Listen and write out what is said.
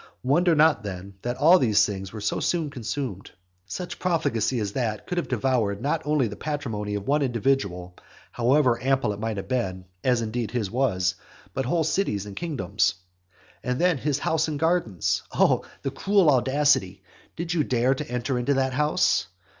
Wonder not, then, that all these things were so soon consumed. Such profligacy as that could have devoured not only the patrimony of one individual, however ample it might have been, (as indeed his was) but whole cities and kingdoms. And then his houses and gardens! Oh the cruel audacity! Did you dare to enter into that house?